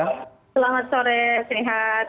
selamat sore sehat